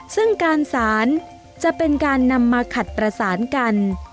ซึ่งการสารจะเป็นการนำมาขัดประสานกัน